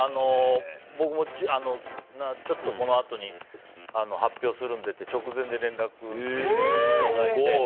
僕もちょっとこのあとに発表するんでって直前で連絡をいただいて。